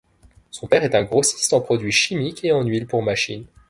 Son père est un grossiste en produits chimiques et en huiles pour machines.